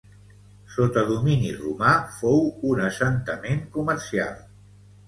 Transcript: Sota domini romà fou un assentament comercial.